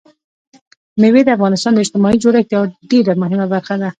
مېوې د افغانستان د اجتماعي جوړښت یوه ډېره مهمه برخه ده.